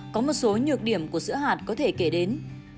có một số nhược điểm của sữa hạt có thể kể đến